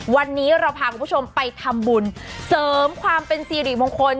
วันนี้เราพาคุณผู้ชมไปทำบุญเสริมความเป็นสิริมงคล